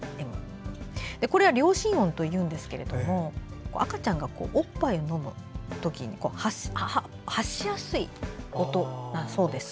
これは両唇音というんですけども赤ちゃんがおっぱいを飲む時に発しやすい音だそうです。